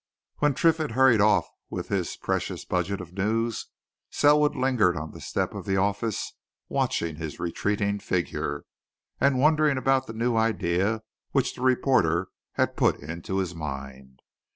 When Triffitt hurried off with his precious budget of news Selwood lingered on the step of the office watching his retreating figure, and wondering about the new idea which the reporter had put into his mind.